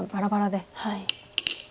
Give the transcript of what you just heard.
はい。